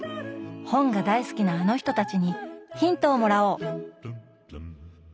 本が大好きなあの人たちにヒントをもらおう！